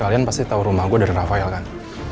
kalian pasti tahu rumah gue dari rafael kan